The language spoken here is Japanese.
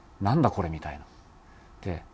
これみたいな。